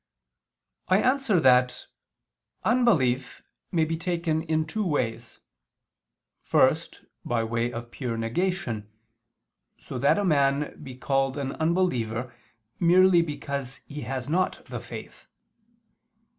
I answer that, Unbelief may be taken in two ways: first, by way of pure negation, so that a man be called an unbeliever, merely because he has not the faith.